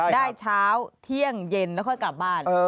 เช้าเที่ยงเย็นแล้วค่อยกลับบ้าน